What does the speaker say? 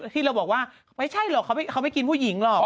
ที่เราบอกว่าไม่ใช่หรอกเขาไม่กินผู้หญิงหรอก